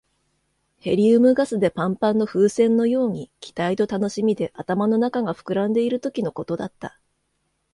ヘリウムガスでパンパンの風船のように、期待と楽しみで頭の中が膨らんでいるときのことだった。